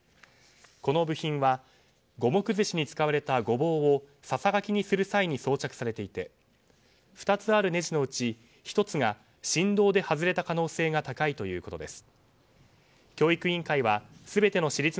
この部品は五目ずしに使われたゴボウをささがきにする際に装着されていて２つあるネジのうち１つが振動で外れた可能性が高いということです。